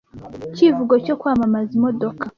Icyivugo cyo kwamamaza imodoka